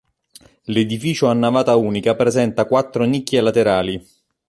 L'edificio a navata unica presenta quattro nicchie laterali.